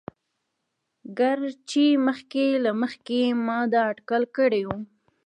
ګر چې مخکې له مخکې يې ما دا اتکل کړى وو.